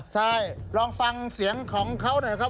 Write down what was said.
ใช่ลองฟังเสียงของเขาหน่อยครับ